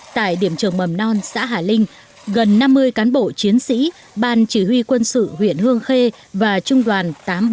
tại điểm trường mầm non xã hà linh gần năm mươi cán bộ chiến sĩ ban chỉ huy quân sự huyện hương khê và trung đoàn tám trăm bốn mươi bảy